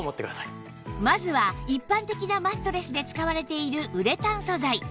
まずは一般的なマットレスで使われているウレタン素材